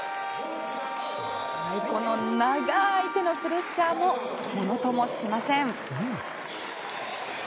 長い手のプレッシャーもものともしません。